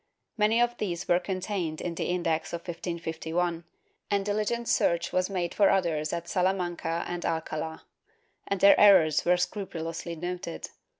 Many of these were contained in the Index of 1551, and dihgent search was made for others at Salamanca and Alcala, and their errors were scrupulously noted.